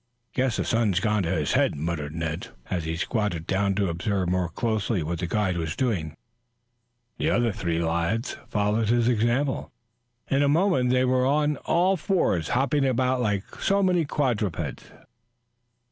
"Guess the sun's gone to his head," muttered Ned, as he squatted down to observe more closely what the guide was doing. The other three lads followed his example. In a moment they were on all fours, hopping about like so many quadrupeds.